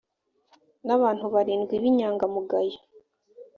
n abantu barindwi b inyangamugayo